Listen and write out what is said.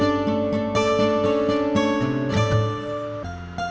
pak miep mau berangkat